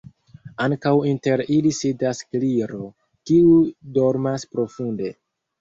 Ankaŭ inter ili sidis Gliro, kiu dormas profunde.